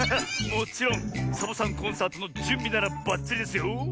もちろんサボさんコンサートのじゅんびならばっちりですよ。